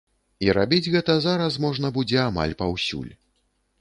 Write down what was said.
І рабіць гэта зараз можна будзе амаль паўсюль.